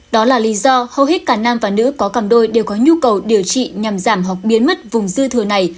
đó là lý do hầu hết cả nam và nữ có cặp đôi đều có nhu cầu điều trị nhằm giảm hoặc biến mất vùng dư thừa này